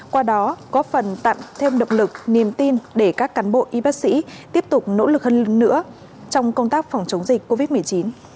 qua đó có phần tặng thêm động lực niềm tin để các cán bộ y bác sĩ tiếp tục nỗ lực hơn nữa trong công tác phòng chống dịch covid một mươi chín